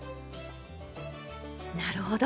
なるほど。